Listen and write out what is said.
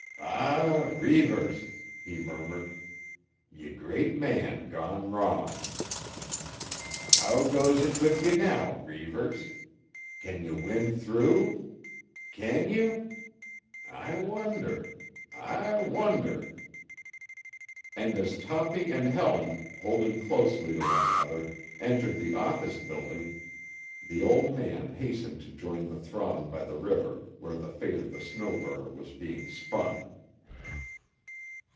"Ah, Reivers!" he murmured. "Ye great man gone wrong! How goes it with ye now, Reivers? Can ye win through? Can ye? I wonder—I wonder!" And as Toppy and Helen, holding closely to one another, entered the office building, the old man hastened to join the throng by the river where the fate of the Snow Burner was being spun.